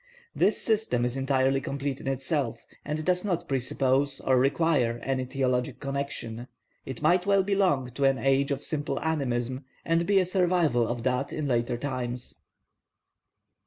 This system is entirely complete in itself, and does not presuppose or require any theologic connection. It might well belong to an age of simple animism, and be a survival of that in later times.